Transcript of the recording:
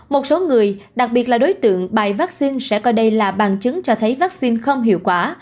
một số người đặc biệt là đối tượng bài vaccine sẽ coi đây là bằng chứng cho thấy vaccine không hiệu quả